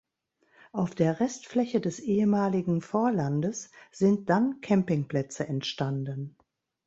Auf der Restfläche des ehemaligen Vorlandes sind dann Campingplätze entstanden.